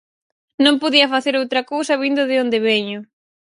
Non podía facer outra cousa vindo de onde veño.